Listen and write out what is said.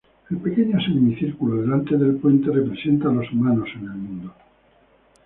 El pequeño semicírculo delante del puente representa a los humanos en el mundo.